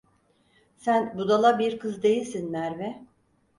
Sen budala bir kız değilsin, Merve.